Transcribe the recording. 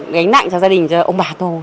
gánh nặng cho gia đình cho ông bà tôi